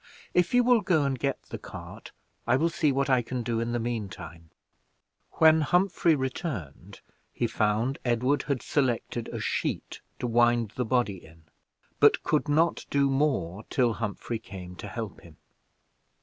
If you will go and get the cart, I will see what I can do in the mean time." When Humphrey returned, he found Edward had selected a sheet to wind the body in, but could not do more till Humphrey came to help him.